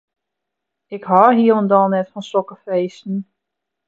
Ik hâld hielendal net fan sokke feesten.